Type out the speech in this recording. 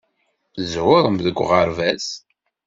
Tẓewrem deg uɣerbaz.